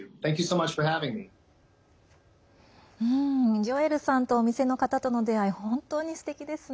ジョエルさんとお店の方との出会い、本当にすてきですね。